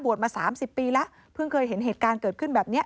มา๓๐ปีแล้วเพิ่งเคยเห็นเหตุการณ์เกิดขึ้นแบบนี้